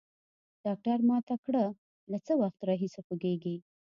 ډاکتر ما ته کړه له څه وخت راهيسي خوږېږي.